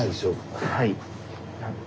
はい。